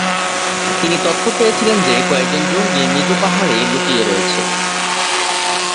তিনি তথ্য পেয়েছিলেন যে কয়েকজন জঙ্গি মিজো পাহাড়ে লুকিয়ে রয়েছে।